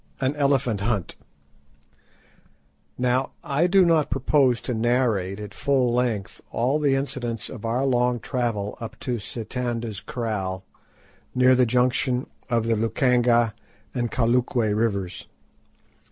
AN ELEPHANT HUNT Now I do not propose to narrate at full length all the incidents of our long travel up to Sitanda's Kraal, near the junction of the Lukanga and Kalukwe Rivers.